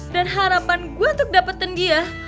dan harapan gue untuk dapatan dia